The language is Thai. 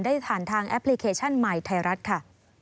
ได้ผ่านทางแอปพลิเคชันใหม่ไทยรัฐค่ะ